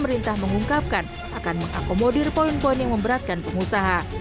pemerintah mengungkapkan akan mengakomodir poin poin yang memberatkan pengusaha